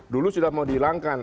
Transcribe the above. dulu sudah mau dihilangkan